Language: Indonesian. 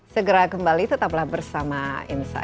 segera kembali tetaplah bersama insight